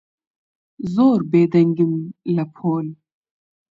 زۆر بێدەنگم لە پۆل.